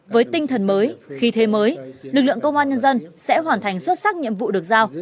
với tinh thần mới khí thế mới lực lượng công an nhân dân sẽ hoàn thành xuất sắc nhiệm vụ được giao